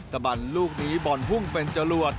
ตะบันลูกนี้บอลพุ่งเป็นจรวด